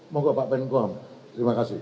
moga pak menkumham terima kasih